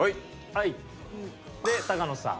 で高野さん。